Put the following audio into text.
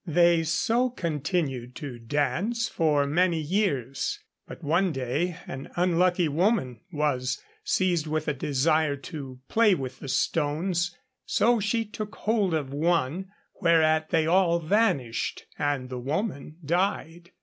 They so continued to dance for many years, but one day an unlucky woman was seized with a desire to play with the stones. So she took hold of one; whereat they all vanished, and the woman died.